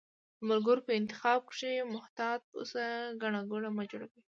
د ملګرو په انتخاب کښي محتاط اوسی، ګڼه ګوڼه مه جوړوی